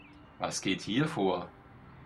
Was geht hier vor?